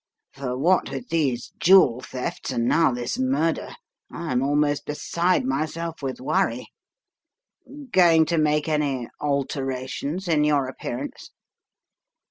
"For what with these jewel thefts and now this murder, I am almost beside myself with worry. Going to make any 'alter ations' in your appearance?"